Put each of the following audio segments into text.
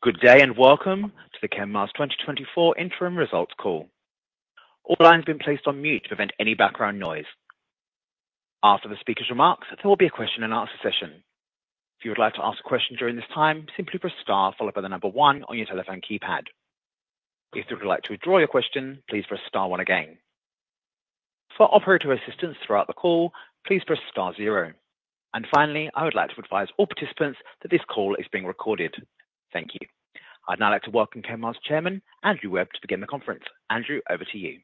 Good day, and welcome to the Kenmare 2024 interim results call. All lines have been placed on mute to prevent any background noise. After the speaker's remarks, there will be a question-and-answer session. If you would like to ask a question during this time, simply press star followed by the number one on your telephone keypad. If you would like to withdraw your question, please press star one again. For operator assistance throughout the call, please press star zero. And finally, I would like to advise all participants that this call is being recorded. Thank you. I'd now like to welcome Kenmare Resources Chairman, Andrew Webb, to begin the conference. Andrew, over to you.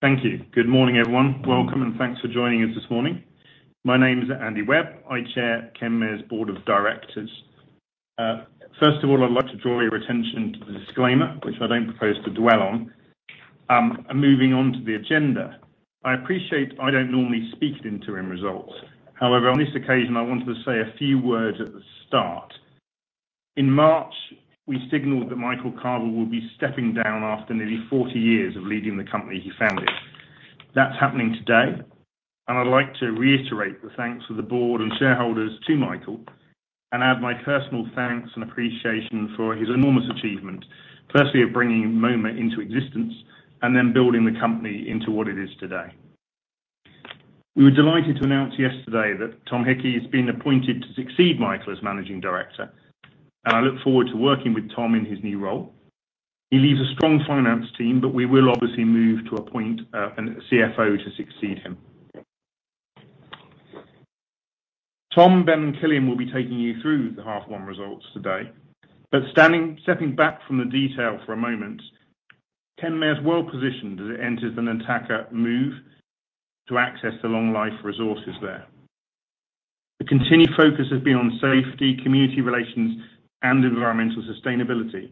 Thank you. Good morning, everyone. Welcome, and thanks for joining us this morning. My name is Andrew Webb. I chair Kenmare's Board of Directors. First of all, I'd like to draw your attention to the disclaimer, which I don't propose to dwell on. And moving on to the agenda. I appreciate I don't normally speak in the interim results. However, on this occasion, I wanted to say a few words at the start. In March, we signaled that Michael Carvill will be stepping down after nearly 40 years of leading the company he founded. That's happening today, and I'd like to reiterate the thanks of the Board and shareholders to Michael, and add my personal thanks and appreciation for his enormous achievement, firstly, of bringing Moma into existence and then building the company into what it is today. We were delighted to announce yesterday that Tom Hickey has been appointed to succeed Michael as Managing Director, and I look forward to working with Tom in his new role. He leaves a strong finance team, but we will obviously move to appoint a CFO to succeed him. Tom, Ben, and Cillian will be taking you through the half one results today. Stepping back from the detail for a moment, Kenmare is well-positioned as it enters the Nataka move to access the long life resources there. The continued focus has been on safety, community relations, and environmental sustainability.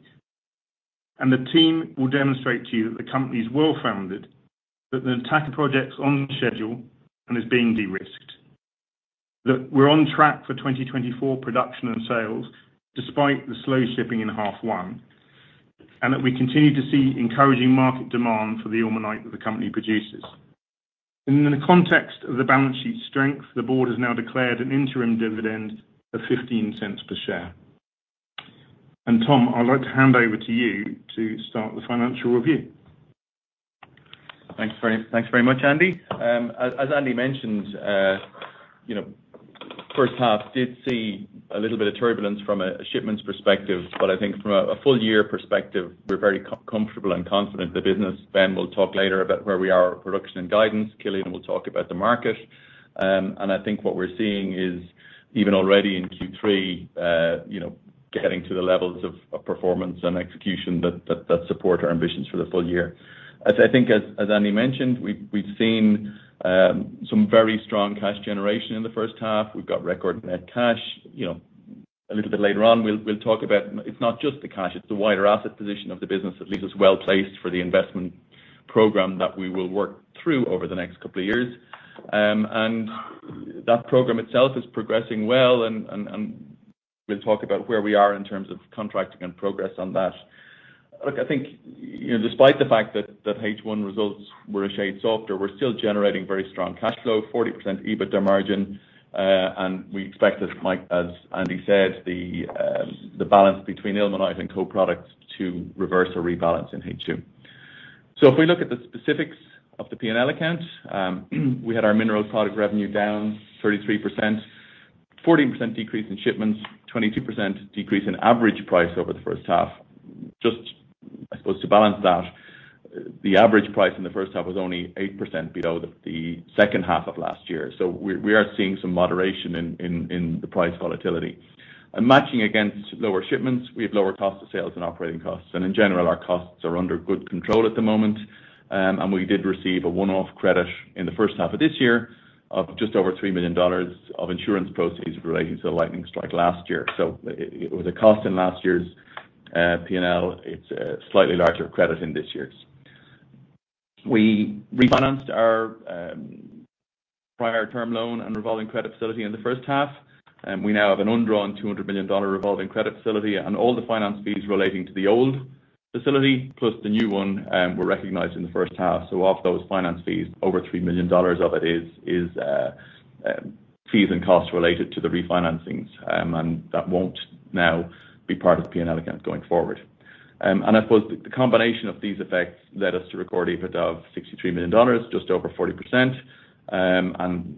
The team will demonstrate to you that the company is well-founded, that the Nataka project is on schedule and is being de-risked, that we're on track for 2024 production and sales despite the slow shipping in half one, and that we continue to see encouraging market demand for the ilmenite that the company produces. In the context of the balance sheet strength, the Board has now declared an interim dividend of $0.15 per share. Tom, I'd like to hand over to you to start the financial review. Thanks very much, Andy. As Andy mentioned, you know, first half did see a little bit of turbulence from a shipments perspective, but I think from a full year perspective, we're very comfortable and confident in the business. Ben will talk later about where we are with production and guidance, Cillian will talk about the market. And I think what we're seeing is even already in Q3, you know, getting to the levels of performance and execution that support our ambitions for the full year. As I think, as Andy mentioned, we've seen some very strong cash generation in the first half. We've got record net cash. You know, a little bit later on, we'll talk about... It's not just the cash, it's the wider asset position of the business that leaves us well-placed for the investment program that we will work through over the next couple of years. And that program itself is progressing well, and we'll talk about where we are in terms of contracting and progress on that. Look, I think, you know, despite the fact that H1 results were a shade softer, we're still generating very strong cash flow, 40% EBITDA margin, and we expect, as Andy said, the balance between ilmenite and co-products to reverse or rebalance in H2. So if we look at the specifics of the P&L account, we had our minerals product revenue down 33%, 14% decrease in shipments, 22% decrease in average price over the first half. Just, I suppose, to balance that, the average price in the first half was only 8% below the second half of last year. So we are seeing some moderation in the price volatility. And matching against lower shipments, we have lower cost of sales and operating costs. And in general, our costs are under good control at the moment, and we did receive a one-off credit in the first half of this year of just over $3 million of insurance proceeds relating to the lightning strike last year. So it was a cost in last year's P&L. It's a slightly larger credit in this year's. We refinanced our prior term loan and revolving credit facility in the first half, and we now have an undrawn $200 million revolving credit facility, and all the finance fees relating to the old facility, plus the new one, were recognized in the first half. So of those finance fees, over $3 million of it is fees and costs related to the refinancings, and that won't now be part of the P&L account going forward. I suppose the combination of these effects led us to record EBITDA of $63 million, just over 40%.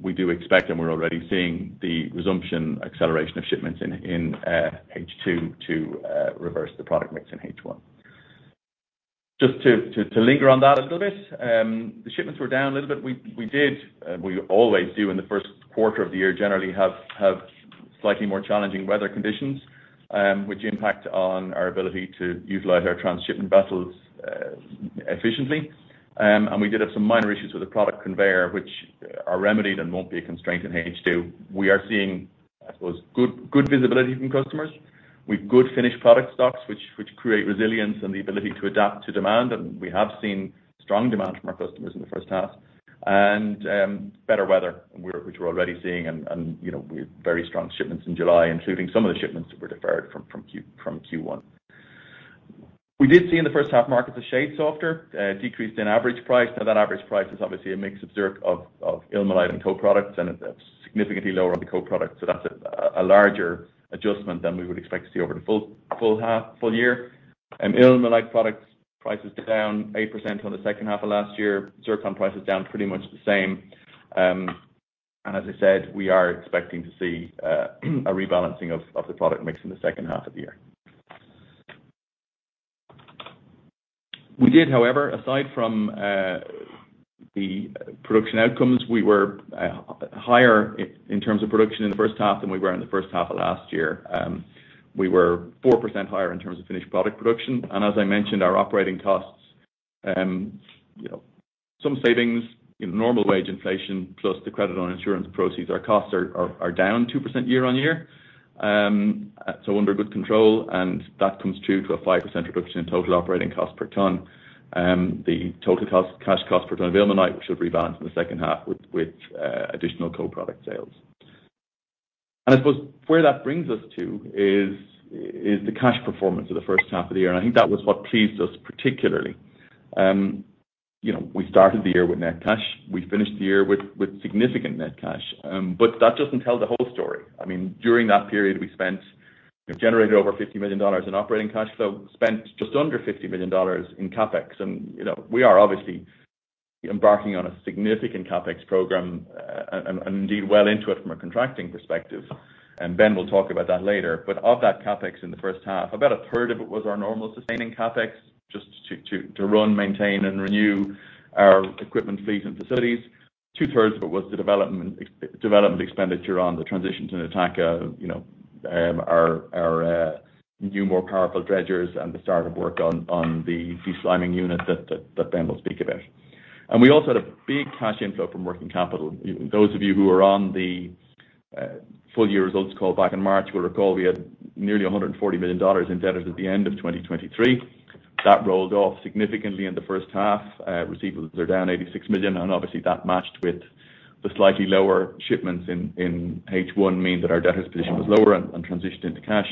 We do expect, and we're already seeing the resumption acceleration of shipments in H2 to reverse the product mix in H1. Just to linger on that a little bit. The shipments were down a little bit. We did we always do in the first quarter of the year, generally have slightly more challenging weather conditions, which impact on our ability to utilize our transshipment vessels efficiently. And we did have some minor issues with the product conveyor, which are remedied and won't be a constraint in H2. We are seeing, I suppose, good visibility from customers, with good finished product stocks, which create resilience and the ability to adapt to demand. And we have seen strong demand from our customers in the first half, and better weather, which we're already seeing, and you know, we have very strong shipments in July, including some of the shipments that were deferred from Q1. We did see in the first half market, the shade softer, decreased in average price. Now that average price is obviously a mix of zircon of ilmenite and co-products, and it's significantly lower on the co-products. So that's a larger adjustment than we would expect to see over the full year. And ilmenite products prices down 8% on the second half of last year. Zircon prices down pretty much the same. And as I said, we are expecting to see a rebalancing of the product mix in the second half of the year. We did, however, aside from the production outcomes, we were higher in terms of production in the first half than we were in the first half of last year. We were 4% higher in terms of finished product production. As I mentioned, our operating costs, you know, some savings in normal wage inflation, plus the credit on insurance proceeds, our costs are down 2% year-on-year. So under good control, and that comes through to a 5% reduction in total operating cost per ton. The total cost, cash cost per ton of ilmenite, which should rebalance in the second half with additional co-product sales. And I suppose where that brings us to is the cash performance of the first half of the year, and I think that was what pleased us particularly. You know, we started the year with net cash. We finished the year with significant net cash. But that doesn't tell the whole story. I mean, during that period, we generated over $50 million in operating cash flow, spent just under $50 million in CapEx. And, you know, we are obviously embarking on a significant CapEx program, and indeed, well into it from a contracting perspective. And Ben will talk about that later. But of that CapEx in the first half, about a third of it was our normal sustaining CapEx, just to run, maintain, and renew our equipment, fleet, and facilities. 2/3 of it was the development expenditure on the transition to Nataka, you know, our new, more powerful dredgers and the start of work on the de-sliming unit that Ben will speak about. And we also had a big cash inflow from working capital. Those of you who are on the full-year results call back in March will recall we had nearly $140 million in debtors at the end of 2023. That rolled off significantly in the first half. Receivables are down $86 million, and obviously that matched with the slightly lower shipments in H1 mean that our debtors position was lower and transitioned into cash.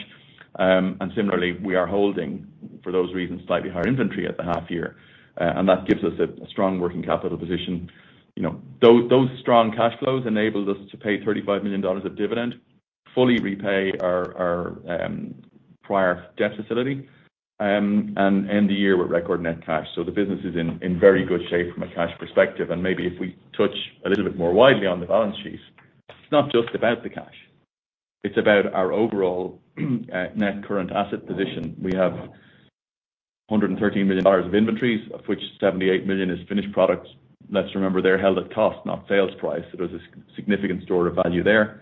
And similarly, we are holding, for those reasons, slightly higher inventory at the half year, and that gives us a strong working capital position. You know, those strong cash flows enabled us to pay $35 million of dividend, fully repay our prior debt facility, and end the year with record net cash. So the business is in very good shape from a cash perspective. And maybe if we touch a little bit more widely on the balance sheet, it's not just about the cash, it's about our overall net current asset position. We have $113 million of inventories, of which $78 million is finished products. Let's remember, they're held at cost, not sales price. So there's a significant store of value there.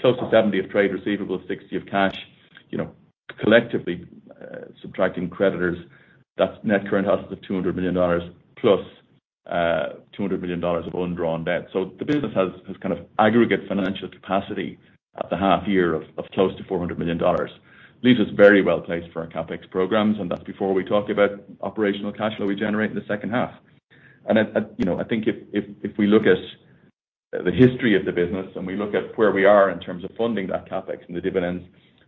Close to $70 million of trade receivable, $60 million of cash, you know, collectively subtracting creditors, that's net current assets of $200 million + $200 million of undrawn debt. So the business has, has kind of aggregate financial capacity at the half year of close to $400 million. Leaves us very well placed for our CapEx programs, and that's before we talk about operational cash flow we generate in the second half. you know, I think if we look at the history of the business and we look at where we are in terms of funding that CapEx and the dividends,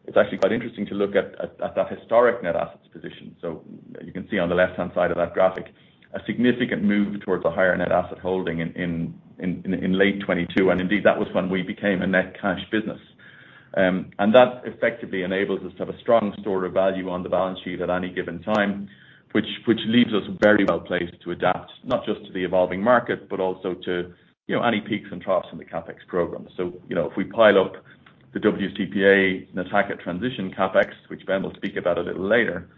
it's actually quite interesting to look at that historic net assets position. So you can see on the left-hand side of that graphic, a significant move towards a higher net asset holding in late 2022, and indeed, that was when we became a net cash business. And that effectively enables us to have a strong store of value on the balance sheet at any given time, which leaves us very well placed to adapt, not just to the evolving market, but also to, you know, any peaks and troughs in the CapEx program. So, you know, if we pile up the WCP A, Nataka transition CapEx, which Ben will speak about a little later,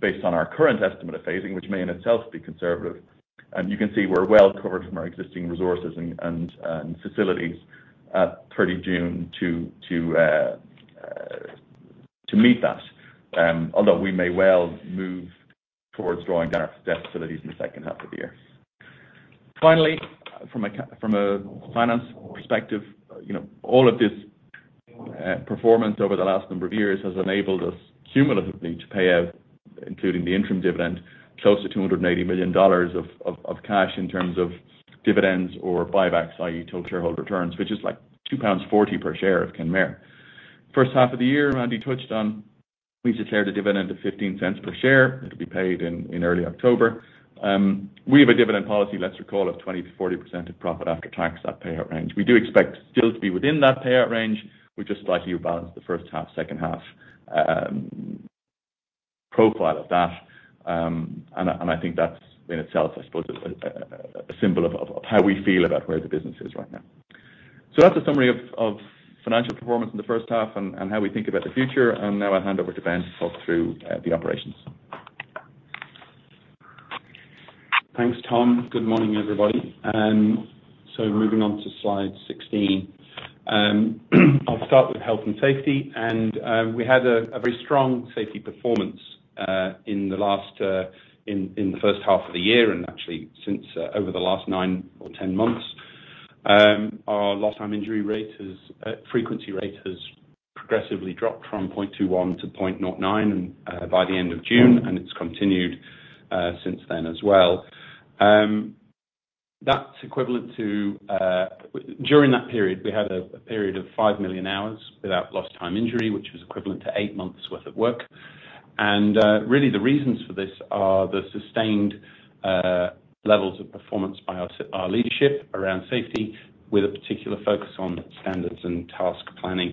based on our current estimate of phasing, which may in itself be conservative, and you can see we're well covered from our existing resources and facilities at 30 June to meet that, although we may well move towards drawing down our debt facilities in the second half of the year. Finally, from a finance perspective, you know, all of this performance over the last number of years has enabled us cumulatively to pay out, including the interim dividend, close to $280 million of cash in terms of dividends or buybacks, i.e., total shareholder returns, which is like 2.40 pounds per share of Kenmare. First half of the year, Andy touched on, we declared a dividend of $0.15 per share. It'll be paid in early October. We have a dividend policy, let's recall, of 20%-40% of profit after tax, that payout range. We do expect still to be within that payout range. We just slightly rebalanced the first half, second half profile of that. And I think that's in itself, I suppose, a symbol of how we feel about where the business is right now. So that's a summary of financial performance in the first half and how we think about the future. And now I'll hand over to Ben to talk through the operations. Thanks, Tom. Good morning, everybody. So moving on to slide 16. I'll start with health and safety, and we had a very strong safety performance in the first half of the year, and actually since over the last 9 or 10 months. Our lost time injury frequency rate has progressively dropped from 0.21 to 0.09, and by the end of June, and it's continued since then as well. That's equivalent to during that period, we had a period of 5 million hours without lost time injury, which was equivalent to 8 months worth of work. Really, the reasons for this are the sustained levels of performance by our leadership around safety, with a particular focus on standards and task planning.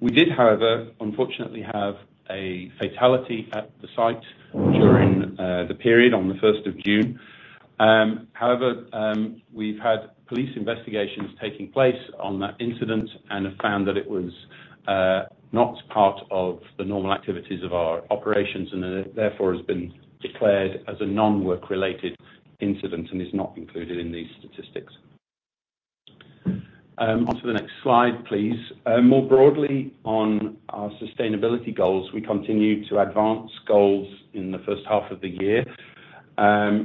We did, however, unfortunately, have a fatality at the site during the period on the first of June. However, we've had police investigations taking place on that incident and have found that it was not part of the normal activities of our operations, and therefore, has been declared as a non-work related incident and is not included in these statistics. Onto the next slide, please. More broadly, on our sustainability goals, we continue to advance goals in the first half of the year.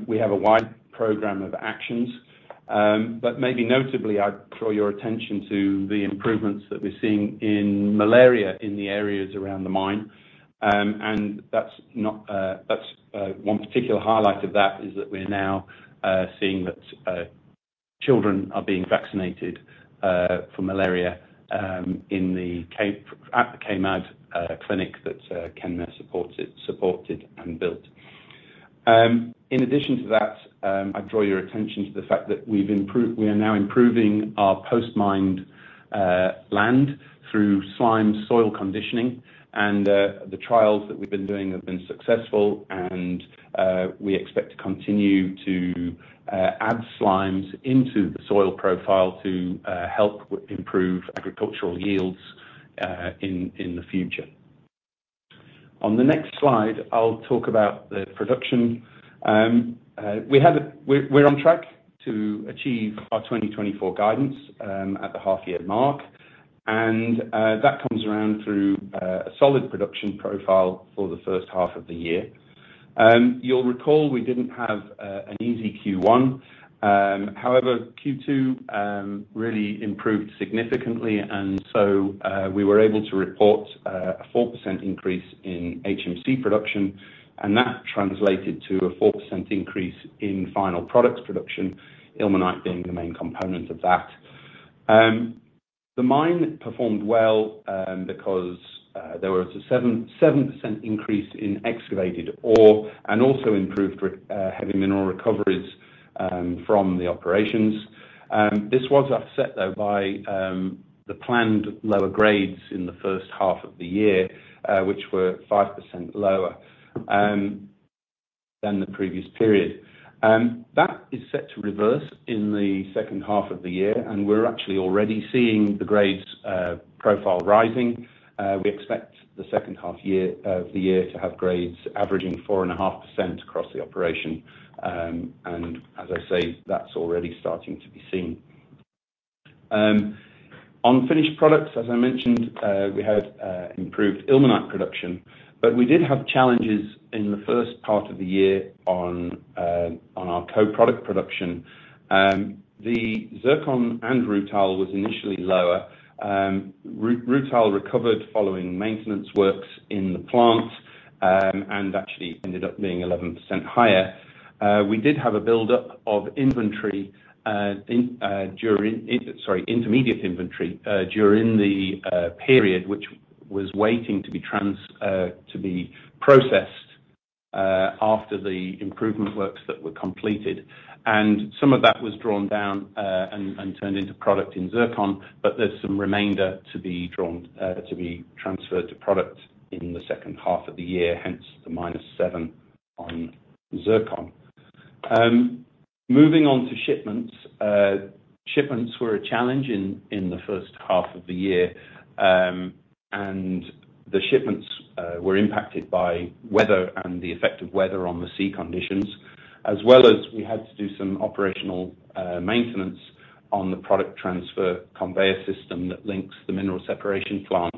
We have a wide program of actions, but maybe notably, I'd draw your attention to the improvements that we're seeing in malaria in the areas around the mine. And that's one particular highlight of that is that we're now seeing that children are being vaccinated from malaria in the Cape at the KMAD clinic that Kenmare supported and built. In addition to that, I'd draw your attention to the fact that we are now improving our post-mine land through slimes soil conditioning, and the trials that we've been doing have been successful and we expect to continue to add slimes into the soil profile to help improve agricultural yields in the future. On the next slide, I'll talk about the production. We're on track to achieve our 2024 guidance at the half year mark, and that comes around through a solid production profile for the first half of the year. You'll recall, we didn't have an easy Q1. However, Q2 really improved significantly, and so we were able to report a 4% increase in HMC production, and that translated to a 4% increase in final products production, ilmenite being the main component of that. The mine performed well, because there was a 7% increase in excavated ore and also improved heavy mineral recoveries from the operations. This was upset, though, by the planned lower grades in the first half of the year, which were 5% lower than the previous period. That is set to reverse in the second half of the year, and we're actually already seeing the grades profile rising. We expect the second half of the year to have grades averaging 4.5% across the operation. And as I say, that's already starting to be seen. On finished products, as I mentioned, we had improved ilmenite production, but we did have challenges in the first part of the year on our co-product production. The zircon and rutile was initially lower. Rutile recovered following maintenance works in the plant, and actually ended up being 11% higher. We did have a buildup of inventory—sorry, intermediate inventory during the period, which was waiting to be processed after the improvement works that were completed. And some of that was drawn down and turned into product in zircon, but there's some remainder to be drawn to be transferred to product in the second half of the year, hence, the -7 on zircon. Moving on to shipments. Shipments were a challenge in the first half of the year, and the shipments were impacted by weather and the effect of weather on the sea conditions, as well as we had to do some operational maintenance on the product transfer conveyor system that links the mineral separation plant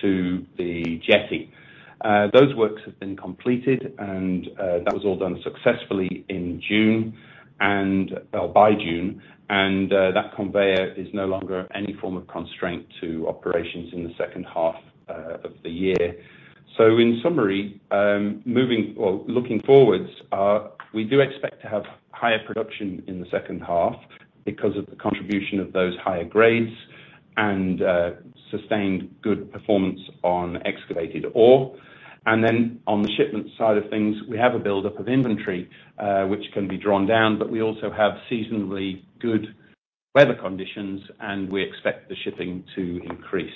to the jetty. Those works have been completed, and that was all done successfully in June and by June, and that conveyor is no longer any form of constraint to operations in the second half of the year. So in summary, well, looking forwards, we do expect to have higher production in the second half because of the contribution of those higher grades and sustained good performance on excavated ore. And then on the shipment side of things, we have a buildup of inventory, which can be drawn down, but we also have seasonally good weather conditions, and we expect the shipping to increase.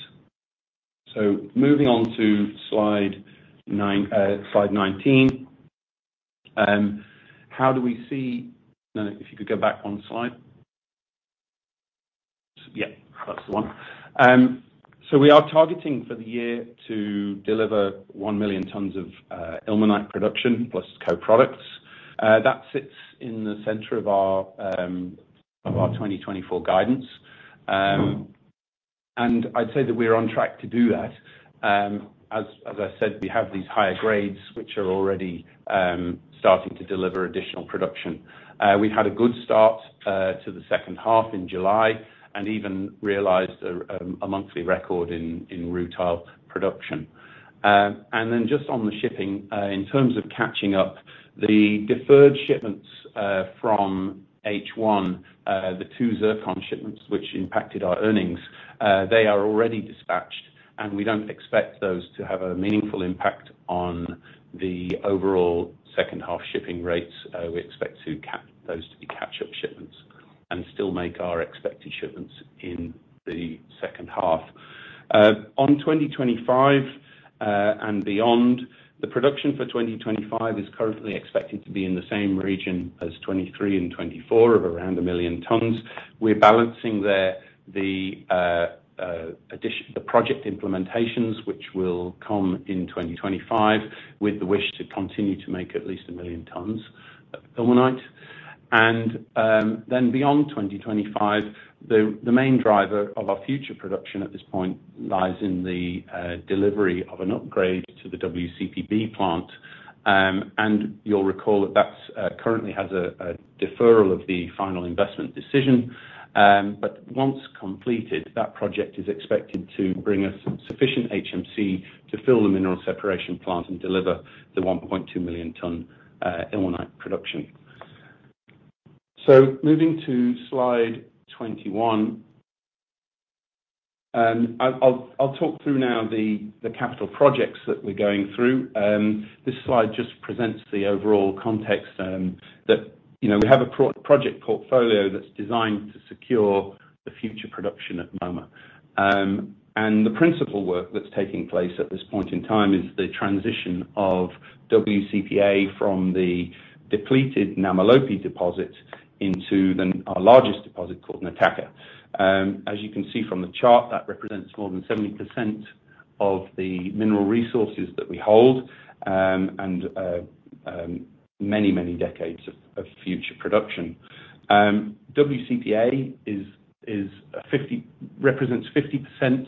So moving on to slide 9, slide 19. If you could go back one slide. Yeah, that's the one. So we are targeting for the year to deliver 1 million tons of ilmenite production plus co-products. That sits in the center of our 2024 guidance. And I'd say that we're on track to do that. As I said, we have these higher grades, which are already starting to deliver additional production. We've had a good start to the second half in July and even realized a monthly record in rutile production. And then just on the shipping, in terms of catching up, the deferred shipments from H1, the two zircon shipments which impacted our earnings, they are already dispatched, and we don't expect those to have a meaningful impact on the overall second half shipping rates. We expect to cap those to be catch-up shipments and still make our expected shipments in the second half. On 2025, and beyond, the production for 2025 is currently expected to be in the same region as 2023 and 2024 of around 1 million tons. We're balancing the project implementations, which will come in 2025, with the wish to continue to make at least one million tons of ilmenite. Then beyond 2025, the main driver of our future production at this point lies in the delivery of an upgrade to the WCP B plant. And you'll recall that currently has a deferral of the final investment decision. But once completed, that project is expected to bring us sufficient HMC to fill the mineral separation plant and deliver the 1.2 million ton ilmenite production. Moving to slide 21. I'll talk through now the capital projects that we're going through. This slide just presents the overall context that you know we have a project portfolio that's designed to secure the future production at the moment. The principal work that's taking place at this point in time is the transition of WCP A from the depleted Namalope deposit into our largest deposit called Nataka. As you can see from the chart, that represents more than 70% of the mineral resources that we hold, and many, many decades of future production. WCP A represents 50%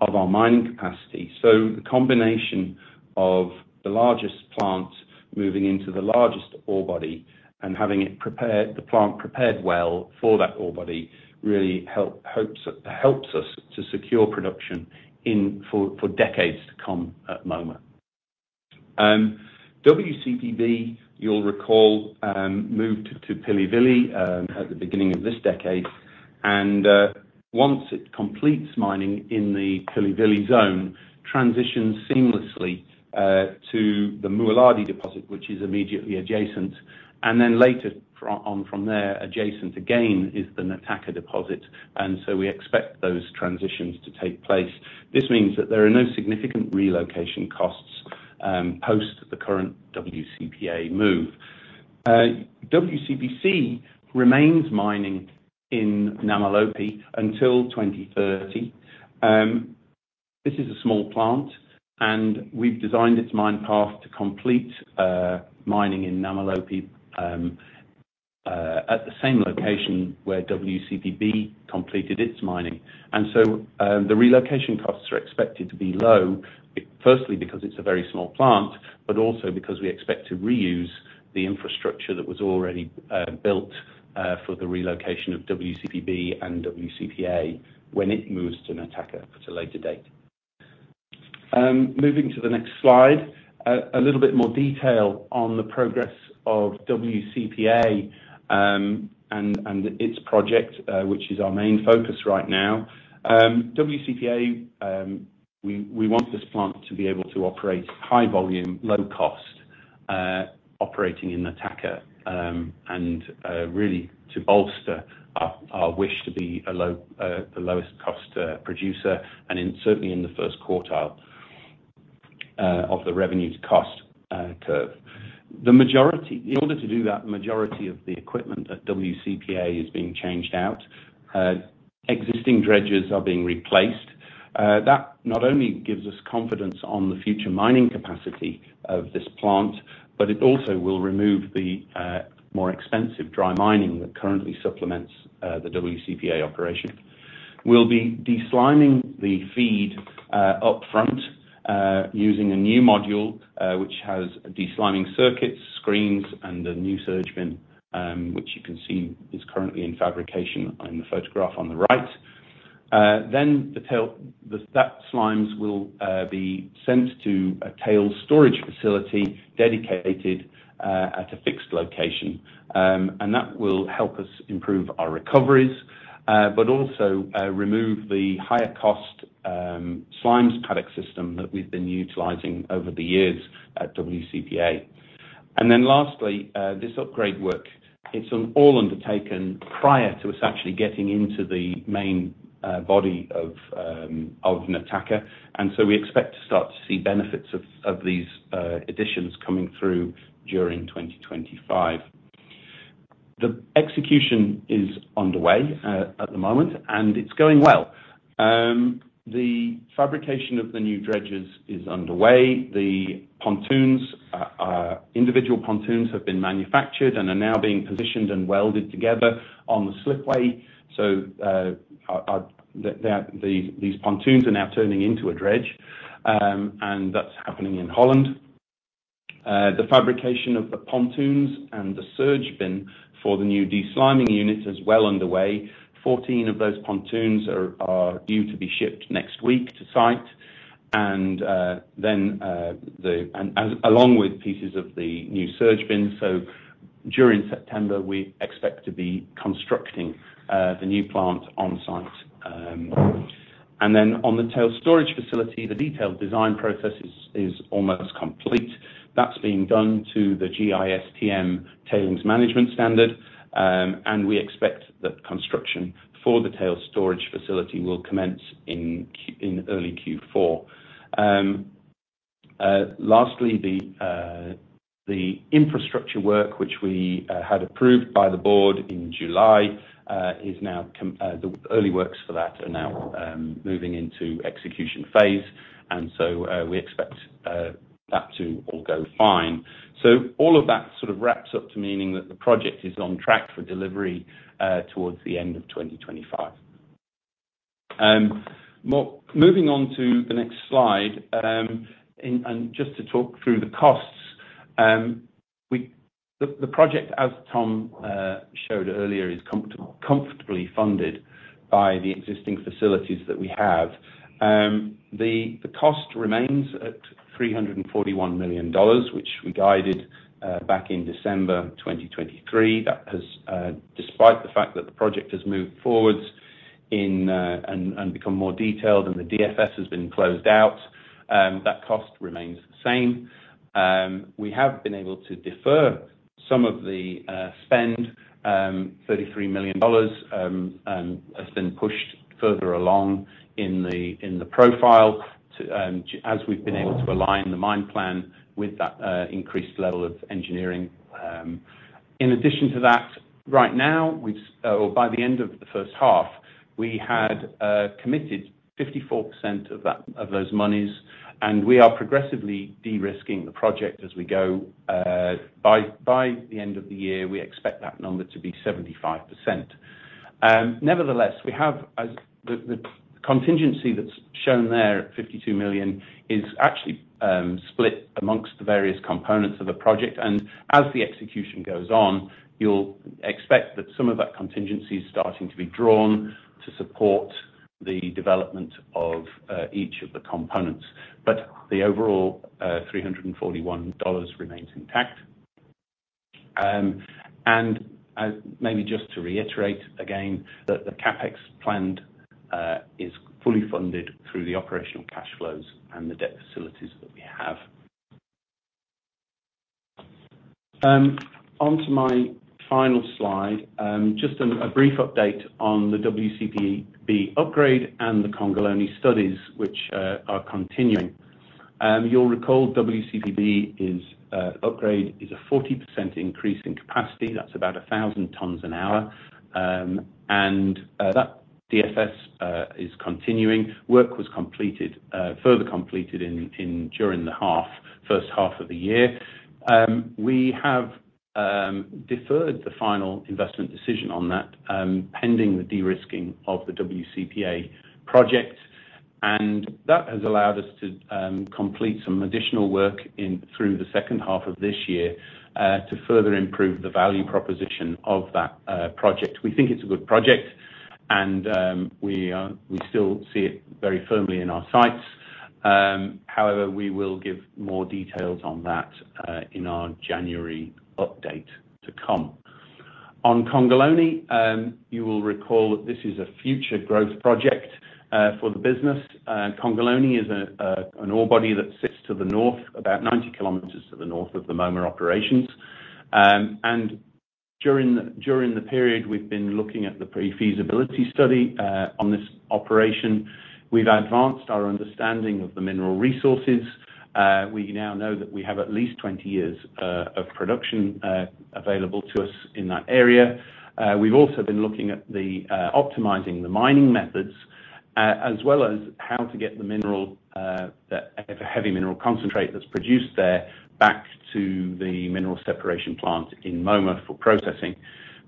of our mining capacity. So the combination of the largest plant moving into the largest ore body and having it prepared, the plant prepared well for that ore body, really helps us to secure production for decades to come at the moment. WCP B, you'll recall, moved to Pilivili at the beginning of this decade, and once it completes mining in the Pilivili zone, transitions seamlessly to the Mualadi deposit, which is immediately adjacent, and then later on from there, adjacent again, is the Nataka deposit, and so we expect those transitions to take place. This means that there are no significant relocation costs post the current WCP A move. WCP C remains mining in Namalope until 2030. This is a small plant, and we've designed its mine path to complete mining in Namalope at the same location where WCP B completed its mining. And so, the relocation costs are expected to be low, firstly, because it's a very small plant, but also because we expect to reuse the infrastructure that was already built for the relocation of WCP B and WCP A, when it moves to Nataka at a later date. Moving to the next slide, a little bit more detail on the progress of WCP A and its project, which is our main focus right now. WCP A, we want this plant to be able to operate high volume, low cost, operating in Nataka, and really to bolster our wish to be the lowest cost producer, and certainly in the first quartile of the revenue to cost curve. The majority, in order to do that, the majority of the equipment at WCP A is being changed out. Existing dredges are being replaced. That not only gives us confidence on the future mining capacity of this plant, but it also will remove the more expensive dry mining that currently supplements the WCP A operation. We'll be de-sliming the feed up front using a new module which has de-sliming circuits, screens, and a new surge bin, which you can see is currently in fabrication in the photograph on the right. Then the slimes will be sent to a tailings storage facility dedicated at a fixed location. And that will help us improve our recoveries but also remove the higher cost slimes paddock system that we've been utilizing over the years at WCP A. Then lastly, this upgrade work, it's all undertaken prior to us actually getting into the main body of Nataka, and so we expect to start to see benefits of these additions coming through during 2025. The execution is underway at the moment, and it's going well. The fabrication of the new dredges is underway. The pontoons, individual pontoons have been manufactured and are now being positioned and welded together on the slipway. These pontoons are now turning into a dredge, and that's happening in Holland. The fabrication of the pontoons and the surge bin for the new de-sliming unit is well underway. 14 of those pontoons are due to be shipped next week to site... and then along with pieces of the new surge bin. So during September, we expect to be constructing the new plant on site. And then on the tailings storage facility, the detailed design process is almost complete. That's being done to the GISTM Tailings Management Standard. And we expect that construction for the tailings storage facility will commence in early Q4. Lastly, the infrastructure work, which we had approved by the Board in July, is now, the early works for that are now moving into execution phase, and so, we expect that to all go fine. So all of that sort of wraps up to meaning that the project is on track for delivery towards the end of 2025. Moving on to the next slide, and just to talk through the costs, we, the project, as Tom showed earlier, is comfortable, comfortably funded by the existing facilities that we have. The cost remains at $341 million, which we guided back in December 2023. That has, despite the fact that the project has moved forwards in, and become more detailed, and the DFS has been closed out, that cost remains the same. We have been able to defer some of the spend, $33 million has been pushed further along in the, in the profile to, as we've been able to align the mine plan with that increased level of engineering. In addition to that, right now, or by the end of the first half, we had committed 54% of that, of those monies, and we are progressively de-risking the project as we go. By the end of the year, we expect that number to be 75%. Nevertheless, we have as... The contingency that's shown there at $52 million is actually split amongst the various components of the project, and as the execution goes on, you'll expect that some of that contingency is starting to be drawn to support the development of each of the components. But the overall $341 remains intact. And maybe just to reiterate again, that the CapEx planned is fully funded through the operational cash flows and the debt facilities that we have. On to my final slide, just a brief update on the WCP B upgrade and the Congolone studies, which are continuing. You'll recall WCP B's upgrade is a 40% increase in capacity. That's about 1,000 tonnes an hour. And that DFS is continuing. Work was completed further completed during the first half of the year. We have deferred the final investment decision on that pending the de-risking of the WCP A project, and that has allowed us to complete some additional work in through the second half of this year to further improve the value proposition of that project. We think it's a good project, and we are we still see it very firmly in our sights. However, we will give more details on that in our January update to come. On Congolone, you will recall that this is a future growth project for the business. Congolone is an ore body that sits to the north, about 90 km to the north of the Moma operations. And during the period, we've been looking at the pre-feasibility study on this operation. We've advanced our understanding of the mineral resources. We now know that we have at least 20 years of production available to us in that area. We've also been looking at optimizing the mining methods, as well as how to get the mineral, the heavy mineral concentrate that's produced there, back to the mineral separation plant in Moma for processing.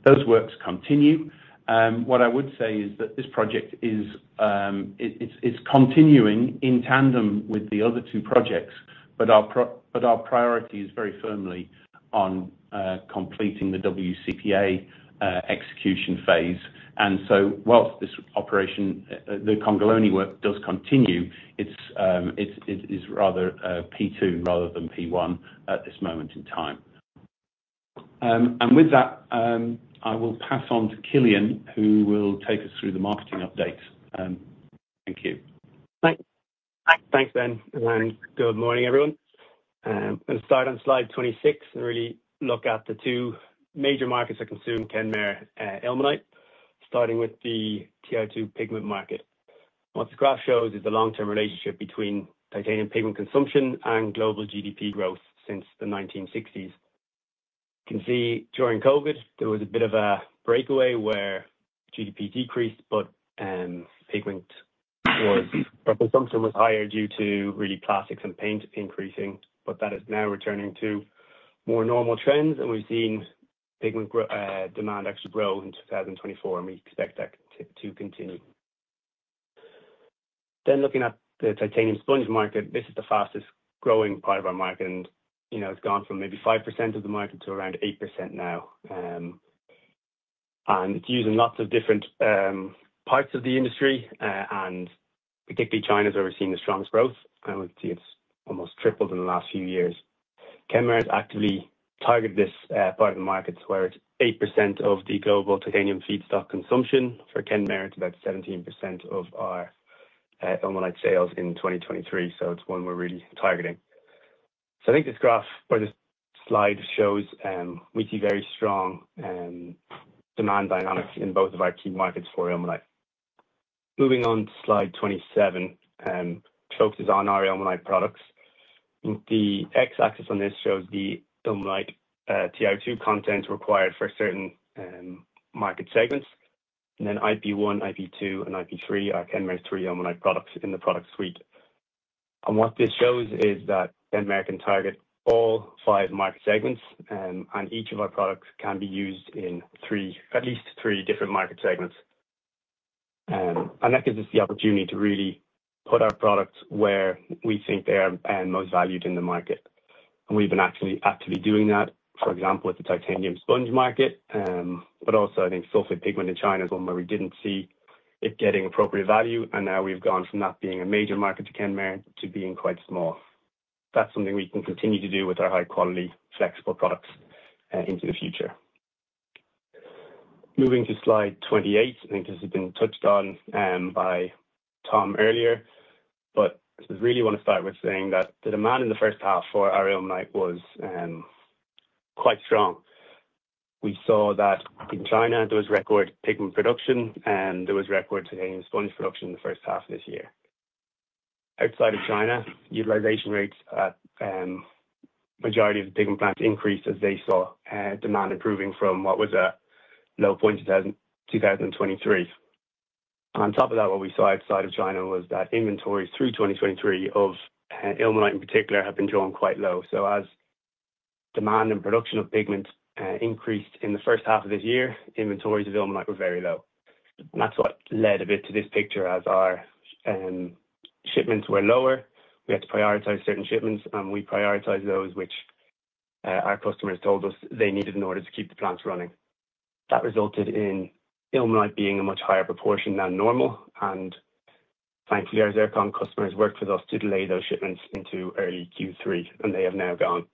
Those works continue. What I would say is that this project is, it's continuing in tandem with the other two projects, but our priority is very firmly on completing the WCP A execution phase. While this operation, the Congolone work does continue, it's, it is rather, P2 rather than P1 at this moment in time. With that, I will pass on to Cillian, who will take us through the marketing update. Thank you. Thanks. Thanks, Ben, and good morning, everyone. Let's start on slide 26 and really look at the two major markets that consume Kenmare ilmenite, starting with the TiO2 pigment market. What the graph shows is the long-term relationship between titanium pigment consumption and global GDP growth since the 1960s. You can see during COVID, there was a bit of a breakaway where GDP decreased, but consumption was higher due to really plastics and paint increasing, but that is now returning to more normal trends, and we've seen pigment demand actually grow in 2024, and we expect that to continue. Then looking at the titanium sponge market, this is the fastest-growing part of our market, and, you know, it's gone from maybe 5% of the market to around 8% now. It's used in lots of different parts of the industry, and particularly China has overseen the strongest growth, and we see it's almost tripled in the last few years. Kenmare has actively targeted this part of the market, where it's 8% of the global titanium feedstock consumption. For Kenmare, it's about 17% of our ilmenite sales in 2023, so it's one we're really targeting. So I think this graph or this slide shows we see very strong demand dynamics in both of our key markets for ilmenite. Moving on to slide 27 focuses on our ilmenite products. The X axis on this shows the ilmenite TiO2 content required for certain market segments, and then IP 1, IP 2, and IP 3 are Kenmare's three ilmenite products in the product suite. What this shows is that Kenmare can target all five market segments, and each of our products can be used in three - at least three different market segments. And that gives us the opportunity to really put our products where we think they are most valued in the market. And we've been actually actively doing that, for example, with the titanium sponge market. But also, I think sulfate pigment in China is one where we didn't see it getting appropriate value, and now we've gone from that being a major market for Kenmare to being quite small. That's something we can continue to do with our high-quality, flexible products into the future. Moving to slide 28, I think this has been touched on by Tom earlier, but I really want to start by saying that the demand in the first half for our ilmenite was quite strong. We saw that in China, there was record pigment production, and there was record titanium sponge production in the first half of this year. Outside of China, utilization rates at majority of the pigment plants increased as they saw demand improving from what was a low point in 2023. On top of that, what we saw outside of China was that inventories through 2023 of ilmenite, in particular, have been drawn quite low. So as demand and production of pigments increased in the first half of this year, inventories of ilmenite were very low. That's what led a bit to this picture as our shipments were lower. We had to prioritize certain shipments, and we prioritized those which our customers told us they needed in order to keep the plants running. That resulted in ilmenite being a much higher proportion than normal, and thankfully, our zircon customers worked with us to delay those shipments into early Q3, and they have now gone.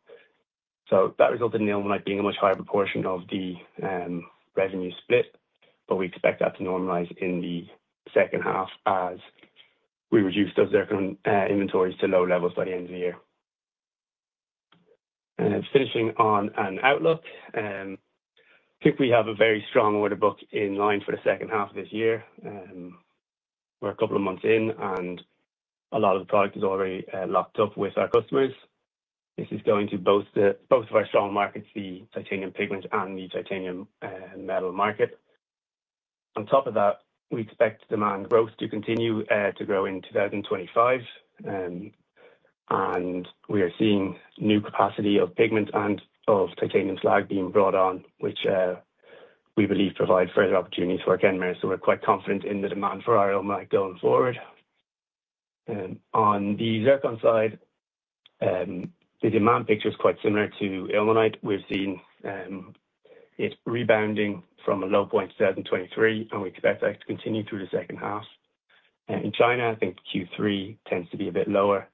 So that resulted in ilmenite being a much higher proportion of the revenue split, but we expect that to normalize in the second half as we reduce those zircon inventories to low levels by the end of the year. And finishing on an outlook, I think we have a very strong order book in line for the second half of this year. We're a couple of months in, and a lot of the product is already locked up with our customers. This is going to both the, both of our strong markets, the titanium pigment and the titanium metal market. On top of that, we expect demand growth to continue to grow in 2025. And we are seeing new capacity of pigment and of titanium slag being brought on, which we believe provide further opportunities for Kenmare, so we're quite confident in the demand for our ilmenite going forward. On the zircon side, the demand picture is quite similar to ilmenite. We've seen it rebounding from a low point in 2023, and we expect that to continue through the second half. In China, I think Q3 tends to be a bit lower.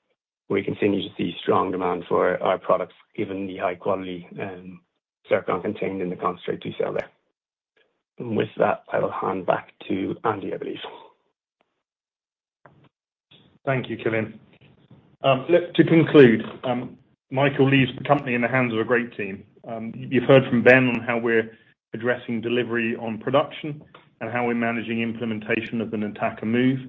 We continue to see strong demand for our products, given the high quality, zircon contained in the concentrate we sell there. And with that, I will hand back to Andy, I believe. Thank you, Cillian. Look, to conclude, Michael leaves the company in the hands of a great team. You've heard from Ben on how we're addressing delivery on production and how we're managing implementation of the Nataka move.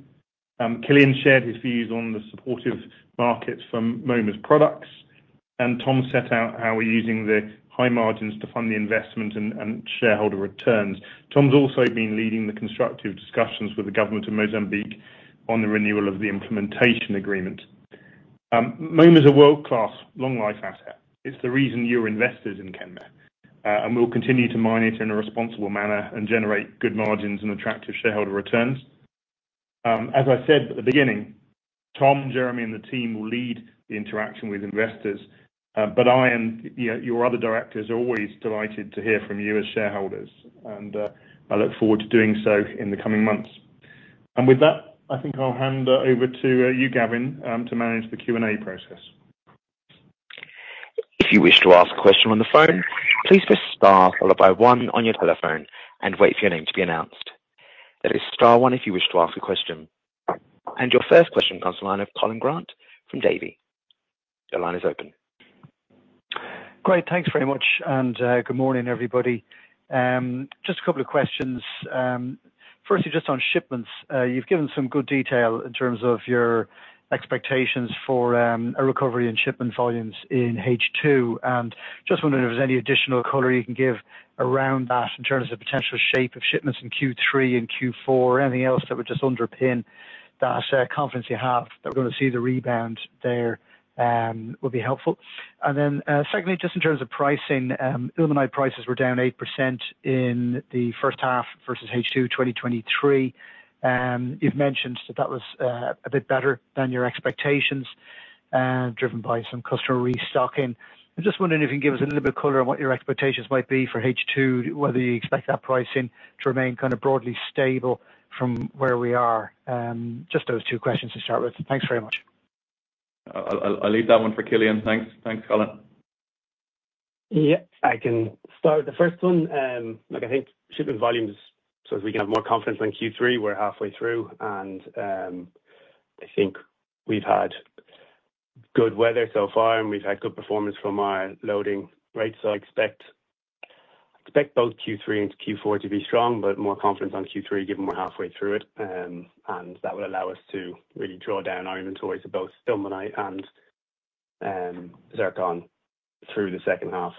Cillian shared his views on the supportive markets from Moma's products, and Tom set out how we're using the high margins to fund the investment and, and shareholder returns. Tom's also been leading the constructive discussions with the government of Mozambique on the renewal of the implementation agreement. Moma is a world-class, long-life asset. It's the reason you're invested in Kenmare, and we'll continue to mine it in a responsible manner and generate good margins and attractive shareholder returns. As I said at the beginning, Tom, Jeremy, and the team will lead the interaction with investors, but I and the, your other Directors are always delighted to hear from you as shareholders, and I look forward to doing so in the coming months. And with that, I think I'll hand over to you, Gavin, to manage the Q&A process. If you wish to ask a question on the phone, please press star followed by one on your telephone and wait for your name to be announced. That is star one if you wish to ask a question. Your first question comes from the line of Colin Grant from Davy. The line is open. Great. Thanks very much, and, good morning, everybody. Just a couple of questions. Firstly, just on shipments, you've given some good detail in terms of your expectations for, a recovery in shipment volumes in H2. And just wondering if there's any additional color you can give around that in terms of potential shape of shipments in Q3 and Q4 or anything else that would just underpin that, confidence you have that we're going to see the rebound there, would be helpful. And then, secondly, just in terms of pricing, Ilmenite prices were down 8% in the first half versus H2 2023. You've mentioned that that was, a bit better than your expectations. Driven by some customer restocking. I'm just wondering if you can give us a little bit color on what your expectations might be for H2, whether you expect that pricing to remain kind of broadly stable from where we are? Just those two questions to start with. Thanks very much. I'll leave that one for Cillian. Thanks, thanks, Colin. Yeah, I can start with the first one. Look, I think shipping volumes, so as we can have more confidence on Q3, we're halfway through, and I think we've had good weather so far, and we've had good performance from our loading rates. So I expect both Q3 and Q4 to be strong, but more confidence on Q3, given we're halfway through it. And that will allow us to really draw down our inventory to both ilmenite and zircon through the second half.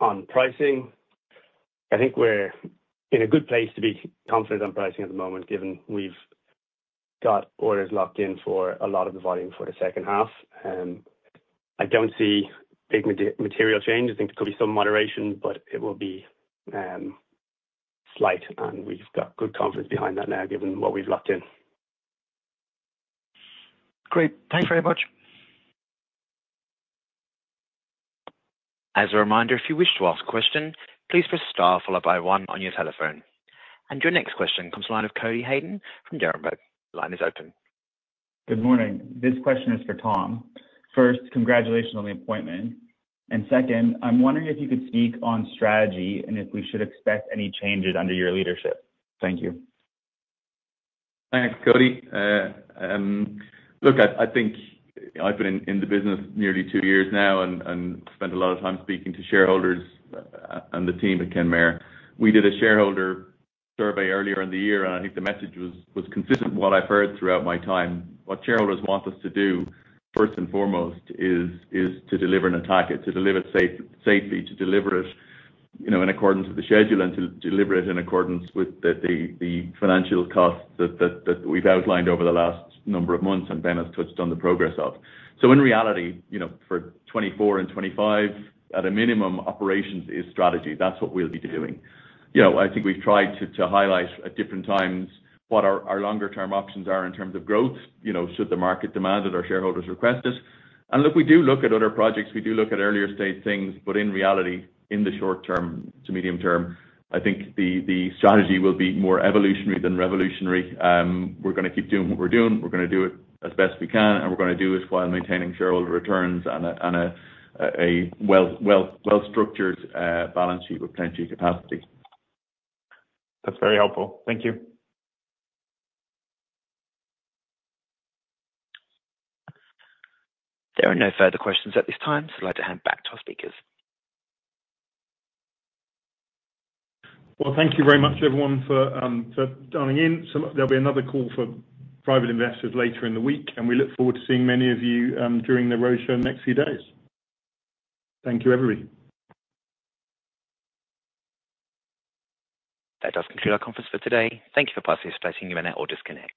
On pricing, I think we're in a good place to be confident on pricing at the moment, given we've got orders locked in for a lot of the volume for the second half. I don't see big material change. I think there could be some moderation, but it will be slight, and we've got good confidence behind that now, given what we've locked in. Great. Thanks very much. As a reminder, if you wish to ask a question, please press star followed by one on your telephone. Your next question comes from the line of Cody Hayden from Deutsche Bank. The line is open. Good morning. This question is for Tom. First, congratulations on the appointment. Second, I'm wondering if you could speak on strategy and if we should expect any changes under your leadership. Thank you. Thanks, Cody. Look, I think I've been in the business nearly two years now and spent a lot of time speaking to shareholders and the team at Kenmare. We did a shareholder survey earlier in the year, and I think the message was consistent with what I've heard throughout my time. What shareholders want us to do, first and foremost, is to deliver a Nataka, to deliver it safely, to deliver it, you know, in accordance with the schedule, and to deliver it in accordance with the financial costs that we've outlined over the last number of months and Ben has touched on the progress of. So in reality, you know, for 2024 and 2025, at a minimum, operations is strategy. That's what we'll be doing. You know, I think we've tried to highlight at different times what our longer term options are in terms of growth, you know, should the market demand it, our shareholders request it. And look, we do look at other projects, we do look at earlier stage things, but in reality, in the short term to medium term, I think the strategy will be more evolutionary than revolutionary. We're going to keep doing what we're doing. We're going to do it as best we can, and we're going to do it while maintaining shareholder returns and a well-structured balance sheet with plenty of capacity. That's very helpful. Thank you. There are no further questions at this time. I'd like to hand back to our speakers. Well, thank you very much, everyone, for dialing in. So there'll be another call for private investors later in the week, and we look forward to seeing many of you during the roadshow in the next few days. Thank you, everybody. That does conclude our conference for today. Thank you for participating. You may now all disconnect.